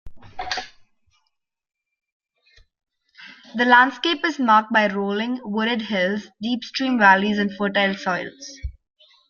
The landscape is marked by rolling, wooded hills, deep stream valleys, and fertile soils.